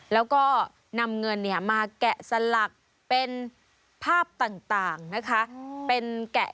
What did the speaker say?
แล้วก็นำเงินมาแกะสลักเป็นภาพต่างนะคะ